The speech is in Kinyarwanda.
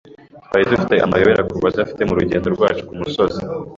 Twari dufite abayobora kavukire murugendo rwacu kumusozi.